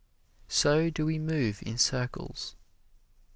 So do we move in circles.